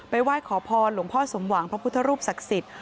ไหว้ขอพรหลวงพ่อสมหวังพระพุทธรูปศักดิ์สิทธิ์